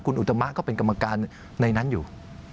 คุณอุตมะก็เป็นกรรมการในนั้นอยู่